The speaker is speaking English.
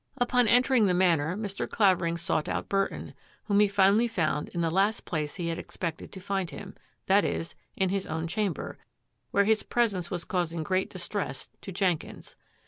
Upon entering the Manor Mr. Clavering sought out Burton, whom he finally found in the last place he had expected to find him ; that is, in his own chamber, where his presence was causing great distress to Jenkins.